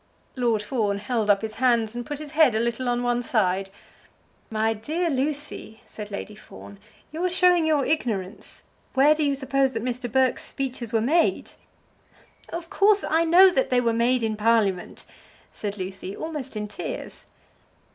Lord Fawn held up his hands, and put his head a little on one side. "My dear Lucy," said Lady Fawn, "you are showing your ignorance. Where do you suppose that Mr. Burke's speeches were made?" "Of course I know they were made in Parliament," said Lucy, almost in tears.